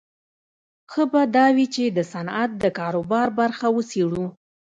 ښه به دا وي چې د صنعت د کاروبار برخه وڅېړو